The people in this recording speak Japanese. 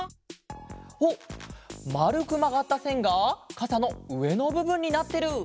あっまるくまがったせんがかさのうえのぶぶんになってる！